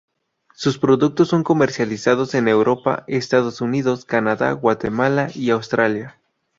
Sus productos son comercializados en Europa, Estados Unidos, Canadá, Guatemala y Australia.